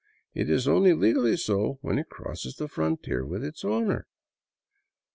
It is only legally so when it crosses the frontier with its owner.